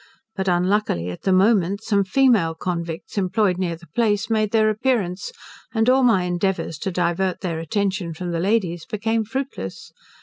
But unluckily, at the moment, some female convicts, employed near the place, made their appearance, and all my endeavours to divert their attention from the ladies became fruitless.